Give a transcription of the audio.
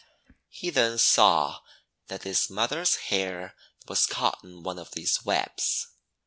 He then saw that his mother's hair was caught in one of these webs.